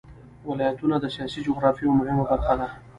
ولایتونه د سیاسي جغرافیه یوه مهمه برخه ده.